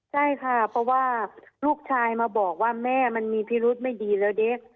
ใช่ค่ะเพราะว่าลูกชายมาบอกว่าแม่มันมีพิรุษไม่ดีแล้วเด็ก